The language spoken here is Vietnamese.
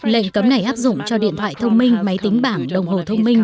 lệnh cấm này áp dụng cho điện thoại thông minh máy tính bảng đồng hồ thông minh